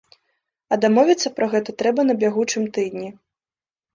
А дамовіцца пра гэта трэба на бягучым тыдні.